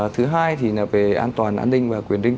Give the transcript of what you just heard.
thứ hai thì là về an toàn an ninh và quyền rinh